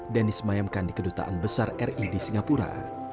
dan disemayamkan di kedutaan besar ri di singapura